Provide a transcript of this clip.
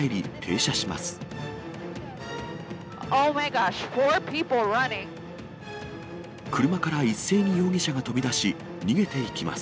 車から一斉に容疑者が飛び出し、逃げていきます。